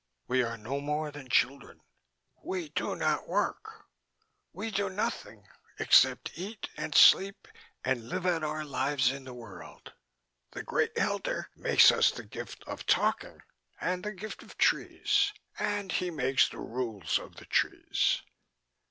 We are no more than children. We do not work, we do nothing except eat and sleep and live out our lives in the world. The Great Elder makes us the gift of talking and the gift of trees, and he makes the rules of the trees.